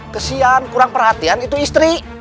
kesian kurang perhatian itu istri